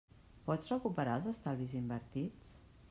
Pots recuperar els estalvis invertits?